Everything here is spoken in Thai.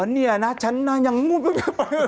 อ๋อเนี่ยนะฉันรักอย่างอุ้ง